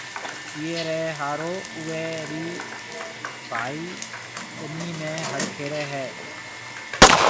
ايئي ريَ هارو اُوئي ريَ ڀائي ٻنِي ۾ هڙ کيڙيو هيَ۔